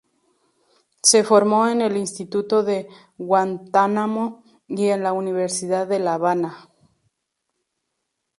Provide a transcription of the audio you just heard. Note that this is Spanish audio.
Se formó en el Instituto de Guantánamo y en la Universidad de la Habana.